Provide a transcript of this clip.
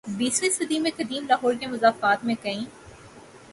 یسویں صدی میں قدیم لاہور کے مضافات میں کئی